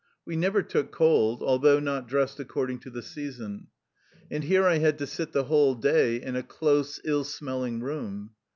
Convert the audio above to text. We never took cold, although not dressed according to the season. And here I had to sit the whole day in a close, ill smelling room.